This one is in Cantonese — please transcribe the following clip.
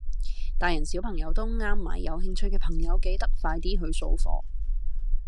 大人小朋友都啱買，有興趣嘅朋友記得快啲去掃貨